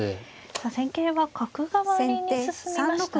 さあ戦型は角換わりに進みましたね。